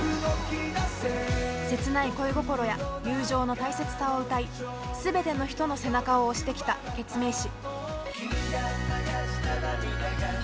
切ない恋心や友情の大切さを歌いすべての人の背中を押してきたケツメイシ。